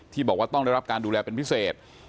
บอกว่าต้องได้รับการดูแลเป็นพิเศษ